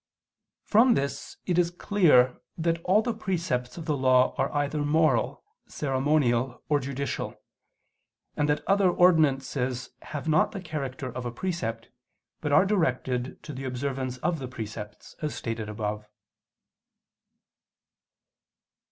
From this it is clear that all the precepts of the Law are either moral, ceremonial, or judicial; and that other ordinances have not the character of a precept, but are directed to the observance of the precepts, as stated above.